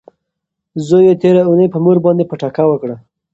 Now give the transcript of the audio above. زوی یې تیره اونۍ په مور باندې پټکه وکړه.